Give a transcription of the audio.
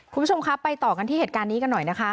คุณผู้ชมครับไปต่อกันที่เหตุการณ์นี้กันหน่อยนะคะ